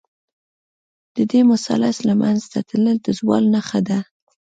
د دې مثلث له منځه تلل، د زوال نښه ده.